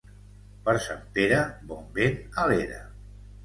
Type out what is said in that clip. Per Sant Pere, bon vent a l'era.